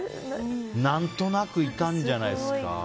何となくいたんじゃないですか。